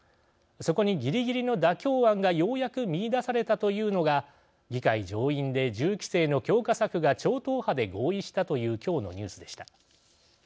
そこに、ぎりぎりの妥協案がようやく見いだされたというのが議会上院で銃規制の強化策が超党派で合意したというきょうのニュースでした。